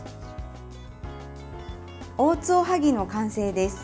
オーツおはぎの完成です。